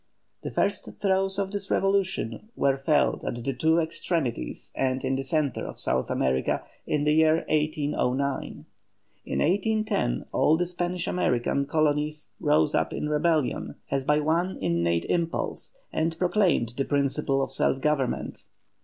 The first throes of this revolution were felt at the two extremities and in the centre of South America in the year 1809. In 1810 all the Spanish American colonies rose up in rebellion as by one innate impulse, and proclaimed the principle of self government.